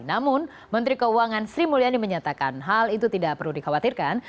namun menteri keuangan sri mulyani menyatakan hal itu tidak perlu dikhawatirkan